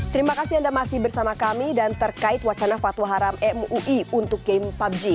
terima kasih anda masih bersama kami dan terkait wacana fatwa haram mui untuk game pubg